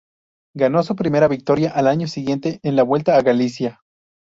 Ganó su primera victoria al año siguiente en la Vuelta a Galicia.